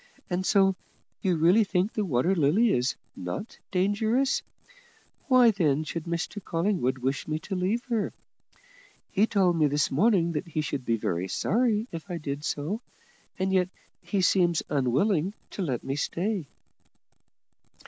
And so you really think the Water Lily is not dangerous? Why then should Mr Collingwood wish me to leave her? He told me this morning that he should be sorry if I did so, and yet he seems unwilling to let me stay."